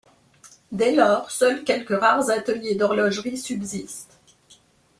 Dès lors, seuls quelques rares ateliers d'horlogerie subsistent.